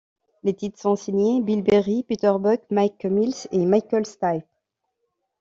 Les titres sont signés Bill Berry, Peter Buck, Mike Mills et Michael Stipe.